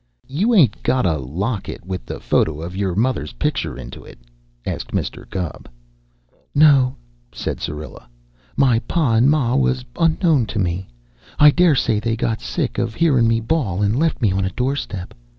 "You ain't got a locket with the photo' of your mother's picture into it?" asked Mr. Gubb. "No," said Syrilla. "My pa and ma was unknown to me. I dare say they got sick of hearin' me bawl and left me on a doorstep.